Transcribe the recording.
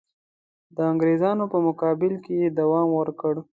د انګرېزانو په مقابل کې یې دوام ورکړ.